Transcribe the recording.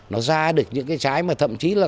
nó ra được những cái trái mà thậm chí là